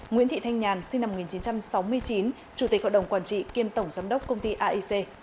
nguyễn thị thanh nhàn sinh năm một nghìn chín trăm sáu mươi chín chủ tịch hội đồng quản trị kiêm tổng giám đốc công ty aic